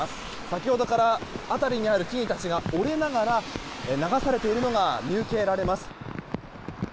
先ほどから辺りにある木々たちが折れながら流されているのが見受けられます。